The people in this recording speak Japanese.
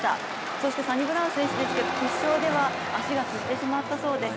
そしてサニブラウン選手ですけれども、決勝では足がつってしまったそうです。